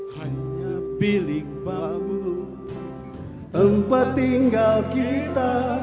hanya bilik bambu tempat tinggal kita